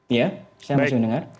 iya saya masih mendengar